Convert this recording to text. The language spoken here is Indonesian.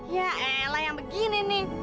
ya ela yang begini nih